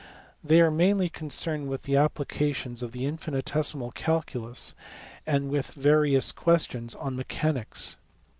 They are mainly concerned with applications of the infinitesimal calculus and with various questions on mechanics.